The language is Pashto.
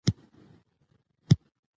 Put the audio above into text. د افغانستان په منظره کې تالابونه ښکاره ده.